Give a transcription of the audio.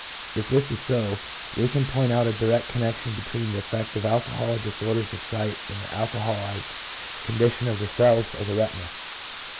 If this is so, we can point out a direct connection between the effect of alcohol and disorders of sight in the alco holized condition of the cells of the retina.